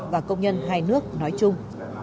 và công nhân hai nước nói chung